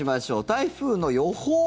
台風の予報。